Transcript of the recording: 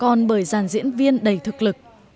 còn bởi dàn diễn viên đầy thực lực